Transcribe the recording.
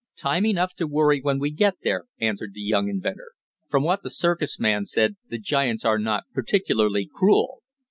"Time enough to worry when we get there," answered the young inventor. "From what the circus man said the giants are not particularly cruel.